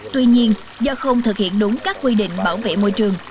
tuy nhiên do không thực hiện đúng các quy định bảo vệ môi trường